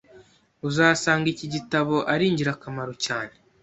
uzasanga iki gitabo ari ingirakamaro cyane.